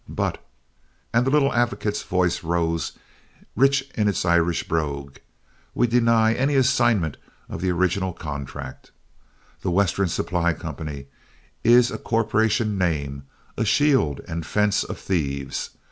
But," and the little advocate's voice rose, rich in its Irish brogue, "we deny any assignment of the original contract. The Western Supply Company is a corporation name, a shield and fence of thieves.